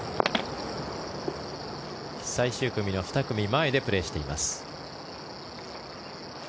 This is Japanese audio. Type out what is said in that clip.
最終組の２組前でプレーしています。